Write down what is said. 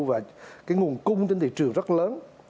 và cái nguồn cung trên thị trường rất lớn